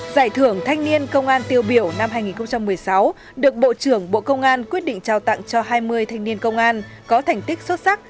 giải thưởng thanh niên công an tiêu biểu năm hai nghìn một mươi sáu được bộ trưởng bộ công an quyết định trao tặng cho hai mươi thanh niên công an có thành tích xuất sắc